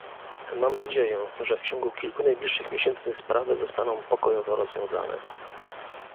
Mam nadzieję, że w ciągu kilku najbliższych miesięcy sprawy zostaną pokojowo rozwiązane